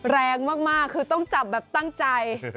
แรงมากคือต้องจับแบบตั้งใจ